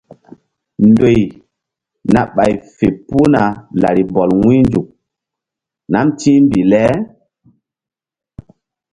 Ndoy na ɓay fe puhna larimbɔl wu̧ynzuk nam ti̧hmbih le.